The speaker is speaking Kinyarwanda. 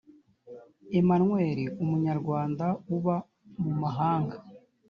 emmanuel umunyarwanda uba mumahanga